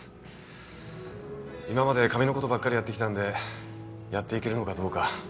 今まで紙のことばっかりやってきたんでやっていけるのかどうか。